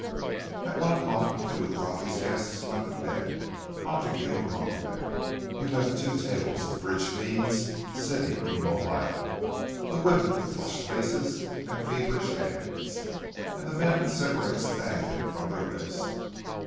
At one o'clock a few of Robbie's guests went to bed, Montague among them. He left two tables of bridge fiends sitting immobile, the women with flushed faces and feverish hands, and the men with cigarettes dangling from their lips.